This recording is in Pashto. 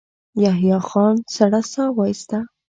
يحيی خان سړه سا وايسته.